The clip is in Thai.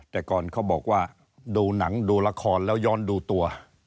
แต่ก่อนเขาบอกว่าดูหนังดูละครแล้วย้อนดูตัว